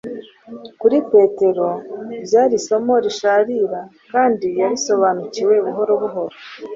kuri petero ryari isomo risharira kandi yarisobanukiwe buhoro buhoro,